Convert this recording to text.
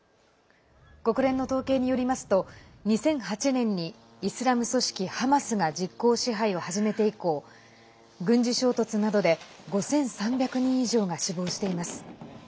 国連の統計によりますと２００８年にイスラム組織ハマスが実効支配を始めて以降軍事衝突などで５３００人以上が死亡しています。